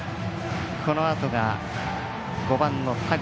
このあとが、５番の田口。